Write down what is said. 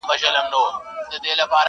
هغه ستا د ابا مېنه تالا سوې!!